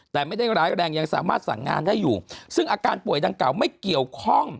แต่ไม่ได้ร้ายแรงยังสามารถสั่งงานได้อยู่ซึ่งอาการป่วยดังกล่าวไม่เกี่ยวข้อง